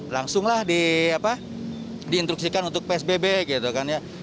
langsunglah diintruksikan untuk psbb gitu kan ya